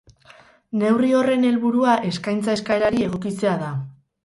Neurri horren helburua eskaintza eskaerari egokitzea da.